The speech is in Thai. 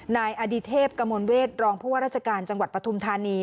นายอดิเทพกมลเวทรองผู้ว่าราชการจังหวัดปฐุมธานี